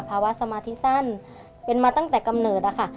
สมาธิสั้นเป็นมาตั้งแต่กำเนิดอะค่ะ